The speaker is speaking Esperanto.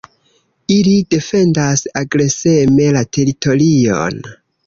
Ili defendas agreseme la teritorion.